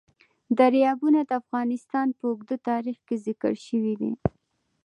دریابونه د افغانستان په اوږده تاریخ کې ذکر شوی دی.